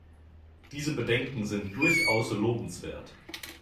Diese Bedenken sind durchaus lobenswert.